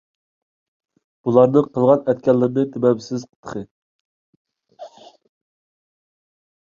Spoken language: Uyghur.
بۇلارنىڭ قىلغان - ئەتكەنلىرىنى دېمەمسىز تېخى.